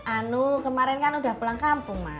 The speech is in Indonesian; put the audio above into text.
anu kemarin kan udah pulang kampung mas